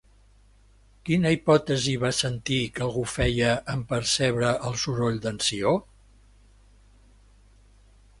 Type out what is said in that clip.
Quina hipòtesi va sentir que algú feia en percebre el soroll d'en Ció?